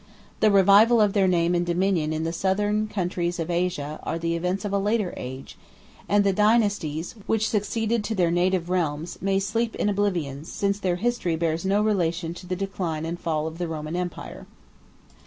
The revival of their name and dominion in the southern countries of Asia are the events of a later age; and the dynasties, which succeeded to their native realms, may sleep in oblivion; since their history bears no relation to the decline and fall of the Roman empire.